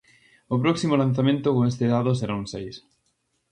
"O próximo lanzamento con este dado será un seis".